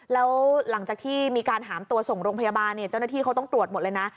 แล้วหลังจากที่มีการหามตัวส่งโรงพยาบาลเจ้าหน้าที่เขาต้องตรวจหมดเลยนะ